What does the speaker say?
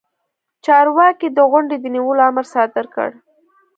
چارواکي د غونډې د نیولو امر صادر کړ.